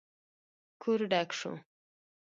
کور ډک شو.